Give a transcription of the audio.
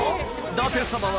舘様は